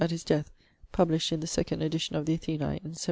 at his death (published in the second edition of the Athenae in 1721).